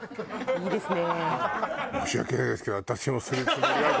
いいですね。